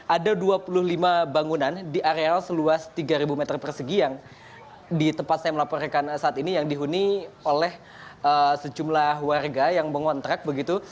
ada dua puluh lima bangunan di areal seluas tiga meter persegi yang di tempat saya melaporkan saat ini yang dihuni oleh sejumlah warga yang mengontrak begitu